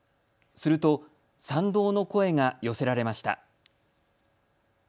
すると、賛同の声が寄せられました。